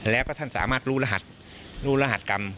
แล้วก็ท่านสามารถรู้รหัสรู้รหัสกรรม